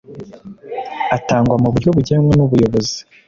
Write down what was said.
Atangwa mu buryo bugenwa n ubuyobozi